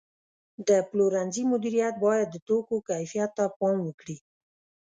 د پلورنځي مدیریت باید د توکو کیفیت ته پام وکړي.